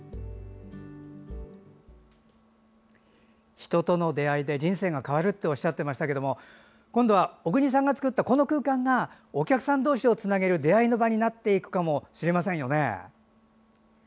人との出会いで人生が変わるっておっしゃってましたけど今度は小國さんが作ったこの空間がお客さん同士をつなげる出会いの場になっていくかもしれませんよね。